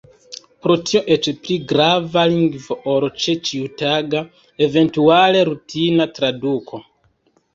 Pro tio eĉ pli gravas lingvo ol ĉe ĉiutaga, eventuale rutina traduko.